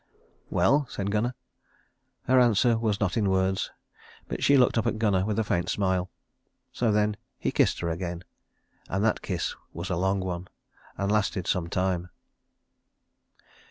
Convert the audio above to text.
"Well?" said Gunnar. Her answer was not in words, but she looked up at Gunnar with a faint smile. So then he kissed her again, and that kiss was a long one and lasted some time.